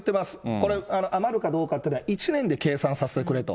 これ、余るかどうかっていうのは、１年で計算させてくれと。